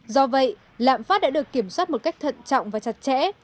do vậy lạm phát đã được kiểm soát một cách thận trọng và chặt chẽ